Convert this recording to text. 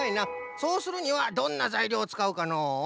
そうするにはどんなざいりょうをつかうかのう？